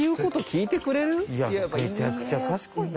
いやめちゃくちゃ賢いな。